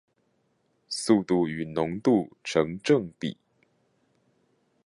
速率與濃度成正比